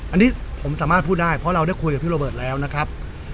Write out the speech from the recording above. อันนี้ผมสามารถพูดได้เพราะเราได้คุยกับพี่โรเบิร์ตแล้วนะครับ